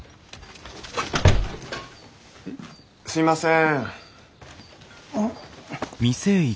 すいません。